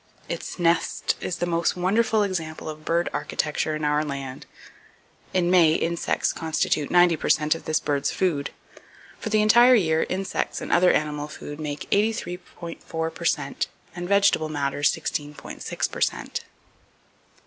Its nest is the most wonderful example of bird architecture in our land. In May insects constitute 90 per cent of this bird's food. For the entire year, insects and other animal food make 83.4 per cent and vegetable matter 16.6 per cent.